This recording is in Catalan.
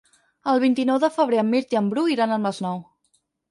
El vint-i-nou de febrer en Mirt i en Bru iran al Masnou.